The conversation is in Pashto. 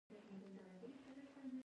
د بانک په داخل کې د پوښتنې ځای شتون لري.